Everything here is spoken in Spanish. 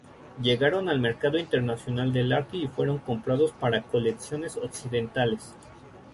Llegaron al mercado internacional del arte y fueron comprados para colecciones occidentales.